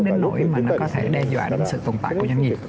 đến lỗi mà nó có thể đe dọa đến sự tồn tại của doanh nghiệp